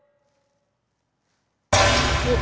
おっ。